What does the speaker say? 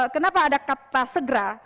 kenapa ada kata segera